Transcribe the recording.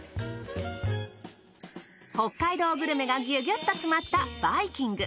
北海道グルメがギュギュッと詰まったバイキング。